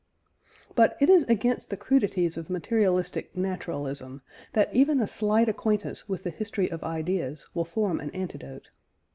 But it is against the crudities of materialistic naturalism that even a slight acquaintance with the history of ideas will form an antidote.